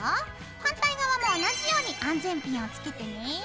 反対側も同じように安全ピンをつけてね。